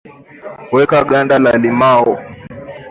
weka ganda la limao